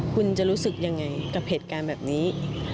คุณจะรู้สึกยังไงกับเหตุการณ์แบบนี้